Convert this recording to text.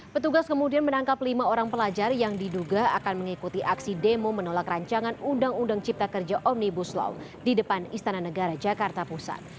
petugas kemudian menangkap lima orang pelajar yang diduga akan mengikuti aksi demo menolak rancangan undang undang cipta kerja omnibus law di depan istana negara jakarta pusat